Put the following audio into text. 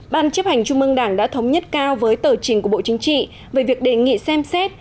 ban chấp hành trung mương đảng đã thống nhất cao với tờ trình của bộ chính trị về việc đề nghị xem xét